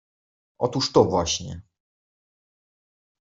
— Otóż to właśnie.